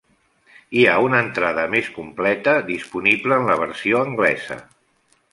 Hi ha una entrada més completa disponible en la versió anglesa.